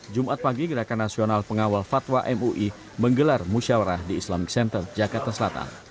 jumat pagi gerakan nasional pengawal fatwa mui menggelar musyawarah di islamic center jakarta selatan